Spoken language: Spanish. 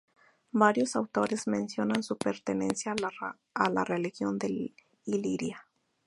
Varios autores mencionan su pertenencia a la región de Iliria.